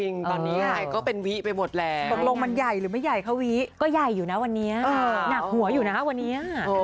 งานไม่ใหญ่แน่นะวิ